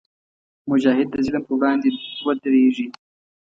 مجاهد د ظلم پر وړاندې ودریږي.